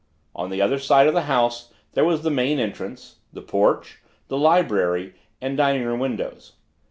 On the other side of the house there was the main entrance, the porch, the library and dining room windows.